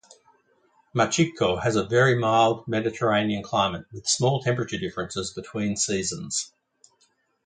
Machico has a very mild Mediterranean climate with small temperature differences between seasons.